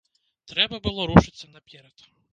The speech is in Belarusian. Трэба было рушыцца наперад.